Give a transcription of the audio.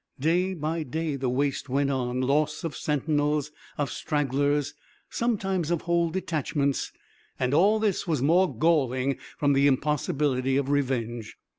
Day by day the waste went on loss of sentinels, of stragglers, sometimes of whole detachments, and all this was more galling from the impossibility of revenge.